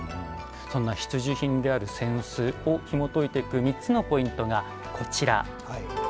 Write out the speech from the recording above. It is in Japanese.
必需品である扇子をひもといていく３つのポイントがこちら。